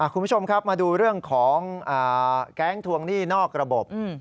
คุณผู้ชมครับมาดูเรื่องของแก๊งทวงหนี้นอกระบบ